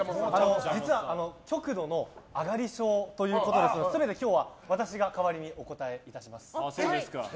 実は極度のあがり症ということだそうで全て今日は、私が代わりにお答えします。